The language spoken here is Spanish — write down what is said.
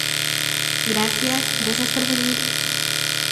gracias. gracias por venir .